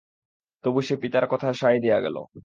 তবু সে পিতার কথায় সায় দিয়া গেল।